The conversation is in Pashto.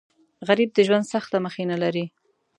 غریب د ژوند سخته مخینه لري